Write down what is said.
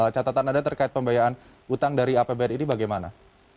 catatan anda terkait pembiayaan utang dari apbr ini bagaimana